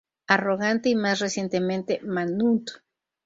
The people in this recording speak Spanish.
Arrogante" y más recientemente "Manhunt".